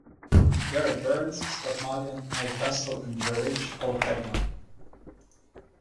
Garrett Byrnes, Scott Malyon, Nate Wessel and Joe Rich all had one.